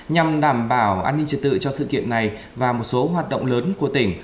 nhằm đảm bảo an ninh trật tự cho sự kiện này và một số hoạt động lớn của tỉnh